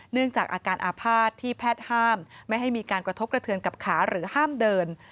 เนื่องจากอาการอาภาษณ์ที่แพทย์ห้ามไม่ให้มีการกระทบกระเทือนกับขาหรือห้ามเดิน